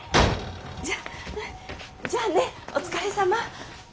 じゃあじゃあねお疲れさま。